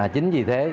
chính vì thế